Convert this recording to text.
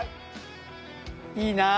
いいなあ。